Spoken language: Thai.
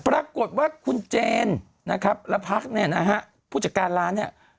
ปรากฏว่าคุณเจนนะครับและพักเนี่ยนะฮะผู้จัดการร้านเนี่ย